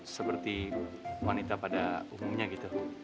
seperti wanita pada umumnya gitu